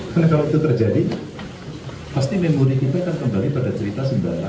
karena kalau itu terjadi pasti memori kita akan kembali pada cerita seribu sembilan ratus sembilan puluh delapan